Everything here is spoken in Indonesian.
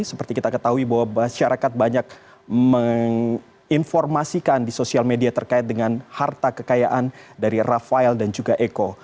seperti kita ketahui bahwa masyarakat banyak menginformasikan di sosial media terkait dengan harta kekayaan dari rafael dan juga eko